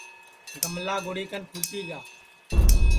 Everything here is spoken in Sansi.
گملا گُڑی کن پھُوٹی گا